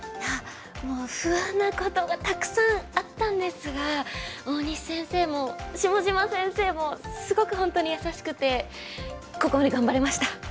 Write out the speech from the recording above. いやもう不安なことがたくさんあったんですが大西先生も下島先生もすごく本当に優しくてここまで頑張れました。